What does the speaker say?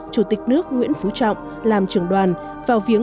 chủ tịch nước nguyễn phú trọng làm trưởng đoàn vào viếng